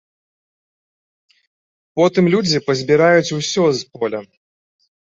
Потым людзі пазбіраюць усё з поля.